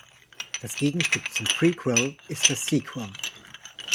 Das Gegenstück zum Prequel ist das Sequel.